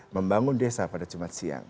membangun desa pada jumat siang